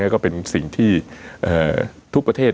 ก็เป็นสิ่งที่ทุกประเทศ